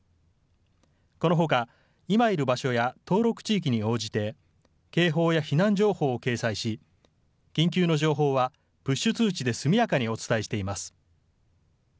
このほか、今いる場所や登録地域に応じて、警報や避難情報を掲載し、緊急の情報はプッシュ通知で速やかにお伝えしています。